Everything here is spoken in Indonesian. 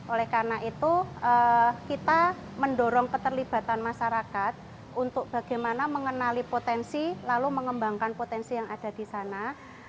oleh karena itu kita mendorong keterlibatan masyarakat untuk bagaimana mengenali potensi lalu mengembangkan potensi yang ada di sana